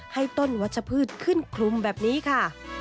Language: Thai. ให้ต้นวัชพืชขึ้นคลุมแบบนี้ค่ะ